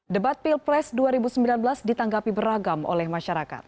debat pilpres dua ribu sembilan belas ditanggapi beragam oleh masyarakat